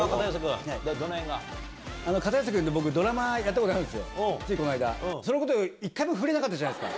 片寄君って、僕ドラマやったことあるんですよ、ついこの間、そのこと一回も触れなかったじゃないですか。